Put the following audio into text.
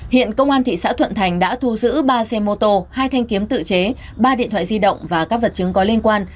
hiện công an thị xã thuận thành đã thu giữ ba xe mô tô hai thanh kiếm tự chế ba điện thoại di động và các vật chứng có liên quan